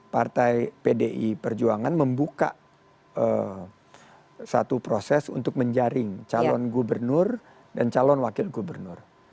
partai pdi perjuangan membuka satu proses untuk menjaring calon gubernur dan calon wakil gubernur